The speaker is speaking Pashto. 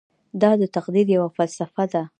دا د تقدیر یوه فلسفه ده.